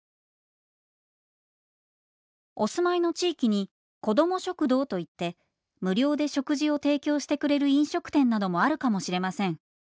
「お住まいの地域に子ども食堂と言って無料で食事を提供してくれる飲食店などもあるかもしれません。